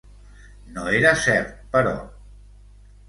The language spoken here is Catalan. No era cert però.